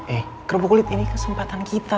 eh kerupuk kulit ini kesempatan kita